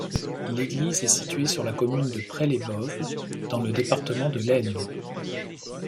L'église est située sur la commune de Presles-et-Boves, dans le département de l'Aisne.